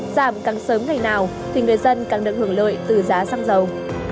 giảm càng sớm ngày nào thì người dân càng được hưởng lợi từ giá xăng dầu